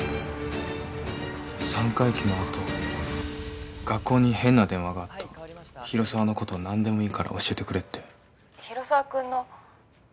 三回忌のあと学校に変な電話があった広沢のこと何でもいいから教えてくれって☎広沢君の